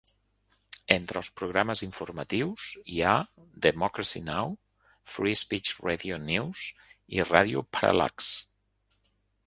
Entre els programes informatius hi ha Democracy Now, Free Speech Radio News i Radio Parallax.